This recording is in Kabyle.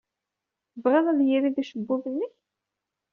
Tebɣid ad yirid ucebbub-nnek?